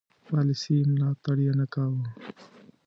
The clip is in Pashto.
پالیسي ملاتړ یې نه کاوه.